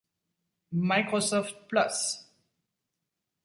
Microsoft Plus!